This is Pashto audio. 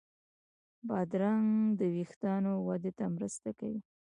بادرنګ د وېښتانو وده ته مرسته کوي.